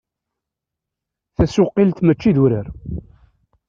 Tasuqilt mačči d urar.